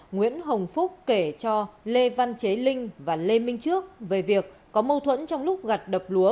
nguyễn hồng phúc kể cho lê văn chế linh và lê minh trước về việc có mâu thuẫn trong lúc gặt đập lúa